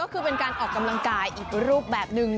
ก็คือเป็นการออกกำลังกายอีกรูปแบบหนึ่ง